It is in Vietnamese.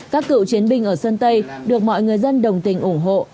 các cựu chiến binh ở sơn tây được mọi người dân đồng tình ủng hộ